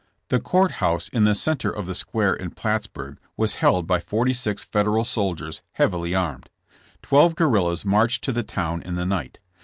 The court house in the center of the square in Plattsburg was held by forty six Federal soldiers heavily armed. Twelve guerrillas marched to the town in the night.